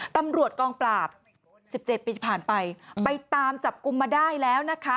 ตำรวจกองปราบ๑๗ปีผ่านไปไปตามจับกลุ่มมาได้แล้วนะคะ